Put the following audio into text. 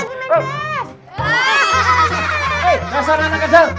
hei mas arna kadang